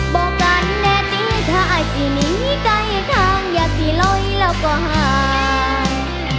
บอกกันแน่ได้ถ้าจะหนีไกลทางอย่าซีล้อยแล้วก็หาย